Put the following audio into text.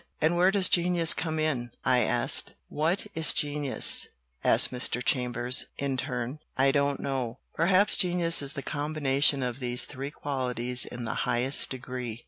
"And where does genius come in?" I asked. "What is genius?" asked Mr. Chambers, in turn. *' I don't know. Perhaps genius is the combination of these three qualities in the highest degree.